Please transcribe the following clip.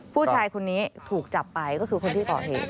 ผู้ชายคนนี้ถูกจับไปก็คือคนที่ก่อเหตุ